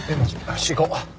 よし行こう！